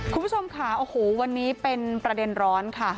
คุณผู้ชมค่ะโอ้โหวันนี้เป็นประเด็นร้อนค่ะ